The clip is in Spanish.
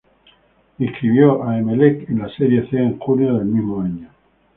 Inscribió a Emelec en la Serie C en junio del mismo año.